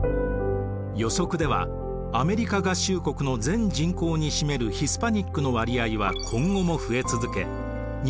予測ではアメリカ合衆国の全人口に占めるヒスパニックの割合は今後も増え続け